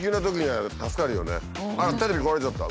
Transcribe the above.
あらテレビ壊れちゃった。